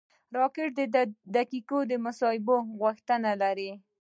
راکټ د دقیقې محاسبې غوښتنه لري